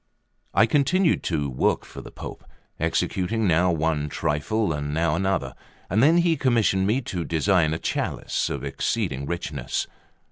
LVI I CONTINUED to work for the Pope, executing now one trifle and now another, when he commissioned me to design a chalice of exceeding richness.